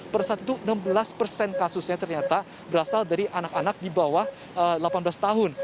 pada saat itu enam belas persen kasusnya ternyata berasal dari anak anak di bawah delapan belas tahun